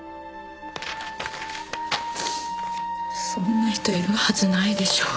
そんな人いるはずないでしょ。